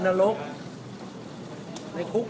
ก็ในคุกมันร้อนคุณเล้ย